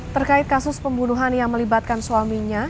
terkait kasus pembunuhan yang melibatkan suaminya